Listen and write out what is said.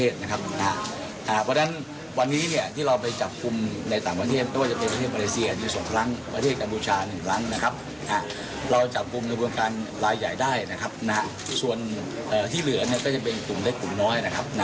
ส่วนที่เหลือก็จะเป็นกลุ่มเล็กกลุ่มน้อยนะครับ